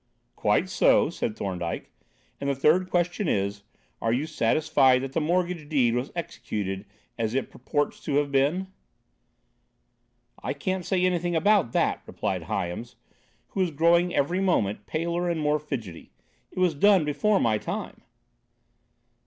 "Quite so," said Thorndyke; "and the third question is, are you satisfied that the mortgage deed was executed as it purports to have been?" "I can't say anything about that," replied Hyams, who was growing every moment paler and more fidgety, "it was done before my time."